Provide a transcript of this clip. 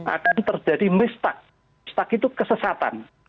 akan terjadi mistak stak itu kesesatan